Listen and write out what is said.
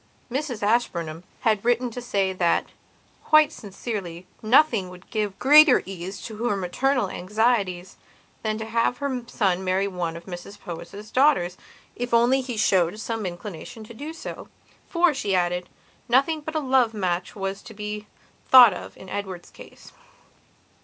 Mrs Ashburnham had written to say that, quite sincerely, nothing would give greater ease to her maternal anxieties than to have her son marry one of Mrs Powys' daughters if only he showed some inclination to do so. For, she added, nothing but a love match was to be thought of in her Edward's case.